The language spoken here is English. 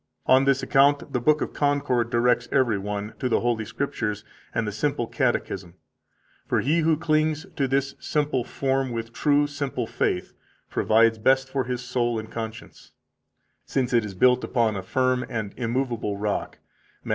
On this account the Book of Concord directs every one to the Holy Scriptures and the simple Catechism; for he who clings to this simple form with true, simple faith provides best for his soul and conscience, since it is built upon a firm and immovable Rock, Matt.